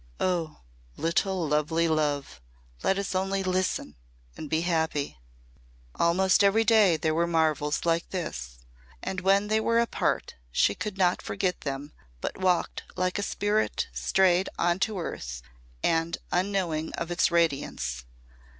Oh! little lovely love! Let us only listen and be happy!" Almost every day there were marvels like this. And when they were apart she could not forget them but walked like a spirit strayed on to earth and unknowing of its radiance.